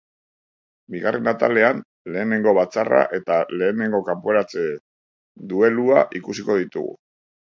Bigarren atalean, lehenengo batzarra eta lehenengo kanporatze duelua ikusiko ditugu.